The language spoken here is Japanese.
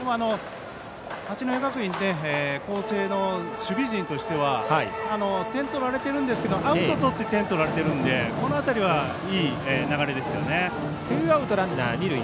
八戸学院光星の守備陣としては点を取られているんですけどアウトをとって点を取られているのでツーアウトランナー、二塁。